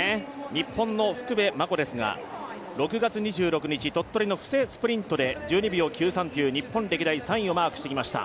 日本の福部真子ですが、６月２６日、布勢スプリントで１２秒９３という日本歴代３位をマークしてきました。